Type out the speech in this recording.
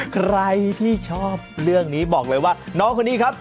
ใครที่ชอบเรื่องนี้บอกเลยว่าน้องคนนี้ครับ